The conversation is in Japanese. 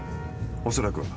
おそらくは。